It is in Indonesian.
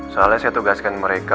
soalnya saya tugaskan mereka